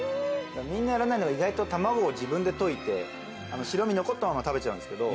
みんなやらないのが意外と卵を自分で溶いて白身残ったまま食べちゃうんですけど。